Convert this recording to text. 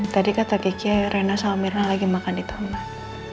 tadi kata kece rena sama mirna lagi makan di taman